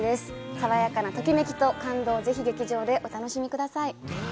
さわやかなときめきと感動をぜひ劇場でお楽しみください。